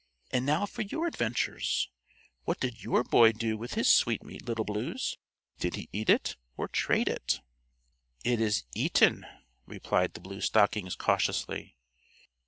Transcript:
And now for your adventures. What did your boy do with his sweetmeat, Little Blues? Did he eat it, or trade it?" "It is eaten," replied the Blue Stockings cautiously.